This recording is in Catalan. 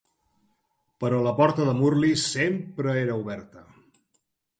Però la porta de Murli sempre era oberta.